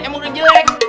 emang udah jelek